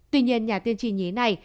tuy nhiên nhà tiên tri nhí này